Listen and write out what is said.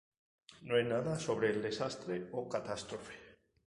No hay nada sobre desastre o catástrofe.